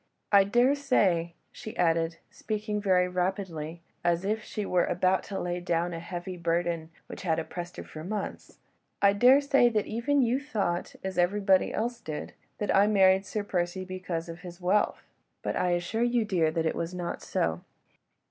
I daresay," she added, speaking very rapidly, as if she were glad at last to lay down a heavy burden, which had oppressed her for months, "I daresay that even you thought—as everybody else did—that I married Sir Percy because of his wealth—but I assure you, dear, that it was not so.